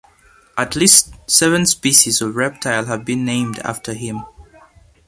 At least seven species of reptile have been named after him.